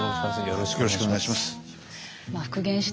よろしくお願いします。